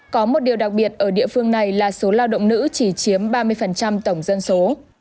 có một điều đặc biệt ở địa phương này là số lao động nữ chỉ chiếm ba mươi tổng dân số